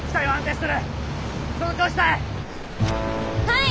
はい。